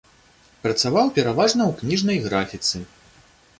Працаваў пераважна ў кніжнай графіцы.